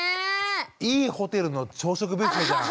いいホテルの朝食ビュッフェじゃん。